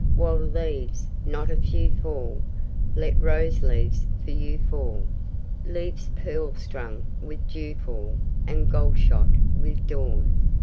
While leaves, not a few fall, Let rose leaves for you fall, Leaves pearl strung with dewfall, And gold shot with dawn.